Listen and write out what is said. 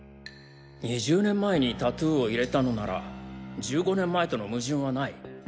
２０年前にタトゥーを入れたのなら１５年前との矛盾はない。